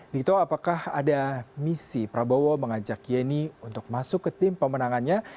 dito apakah ada misi prabowo mengajak yeni untuk masuk ke tim pemenangannya